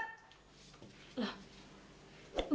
ayo jalan yang cepet